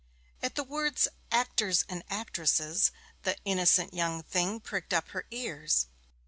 At the words 'actors and actresses,' the innocent young thing pricked up her ears.